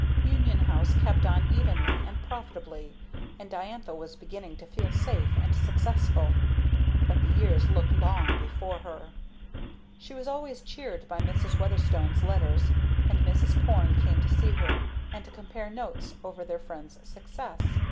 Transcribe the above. Union House kept on evenly and profitably, and Diantha was beginning to feel safe and successful; but the years looked long before her. She was always cheered by Mrs. Weatherstone's letters; and Mrs. Porne came to see her, and to compare notes over their friend's success.